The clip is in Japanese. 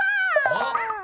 あっ！